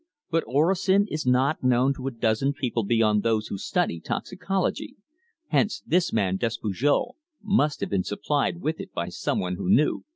But orosin is not known to a dozen people beyond those who study toxicology. Hence this man Despujol must have been supplied with it by someone who knew."